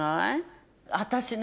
私ね。